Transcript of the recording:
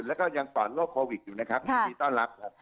แล้วก็ยังปลอดโรคโควิดอยู่นะครับยินดีต้อนรับครับ